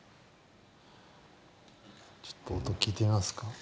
ちょっと音聴いてみますか。